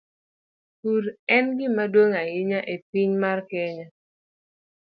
Pur en gima duong ahinya e piny mar Kenya.